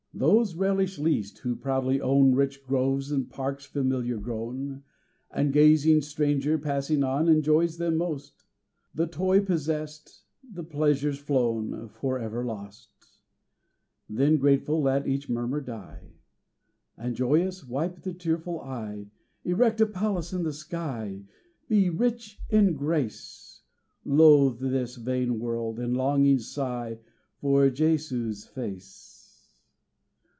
Those relish least who proudly own Rich groves and parks familiar grown; The gazing stranger passing on Enjoys them most The toy possessed the pleasure's flown, For ever lost. Then grateful let each murmur die, And joyous wipe the tearful eye: Erect a palace in the sky Be rich in grace: Loathe this vain world, and longing sigh For Jesu's face.